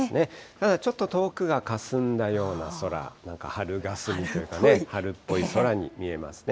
ただ、ちょっと遠くがかすんだような空、なんか春霞というかね、春っぽい空に見えますね。